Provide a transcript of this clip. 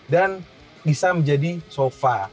dan bisa menjadi sofa